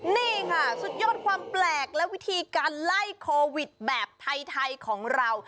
นี่ค่ะสุดยอดความแปลกและวิธีการไล่โควิดแบบไทยของเรา